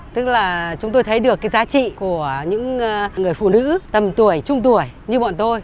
tức là chúng tôi thấy được cái giá trị của những người phụ nữ tầm tuổi trung tuổi như bọn tôi